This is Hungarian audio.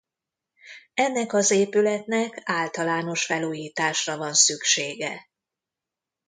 Ennek az épületnek általános felújításra van szüksége.